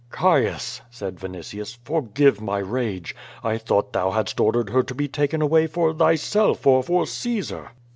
"Caius!" said Vinitius, "forgive my rage. I thought thou hadst ordered her to be taken aw^ay for thyself or for Caesar."